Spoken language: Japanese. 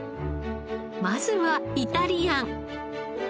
まずはイタリアン。